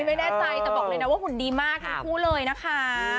ไม่แน่ใจแต่บอกเลยนะว่าหุ่นดีมากทั้งคู่เลยนะคะ